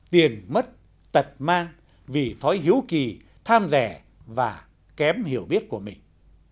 tiền mất tật mang vì thói hiếu kỳ tham rẻ và kém hiểu biết của mình